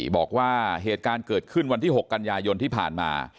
บอกว่าเหตุการณ์เกิดขึ้นวันที่๖กันยายนที่ผ่านมา